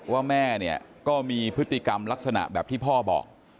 ว่าแม่เนี่ยก็มีพฤติกรรมลักษณะแบบที่พ่อบอก